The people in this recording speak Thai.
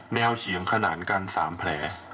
เฉียงขนาดกัน๓แผล